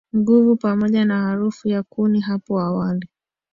nguvu pamoja na harufu ya kuni Hapo awali